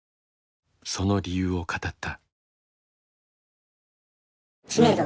その理由を語った。